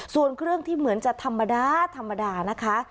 ส่วนเครื่องที่เหมือนจะธรรมดาธรรมดานะคะ